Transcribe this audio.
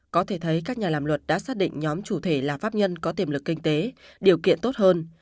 có thể thấy các nhà làm luật đã xác định nhóm chủ thể là pháp nhân có tiềm lực kinh tế điều kiện tốt hơn